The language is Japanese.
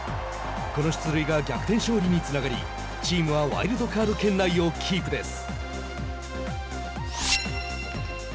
この出塁が逆転勝利につながりチームはワイルドカード圏内をキープです。